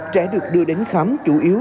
trẻ được đưa đến khám chủ yếu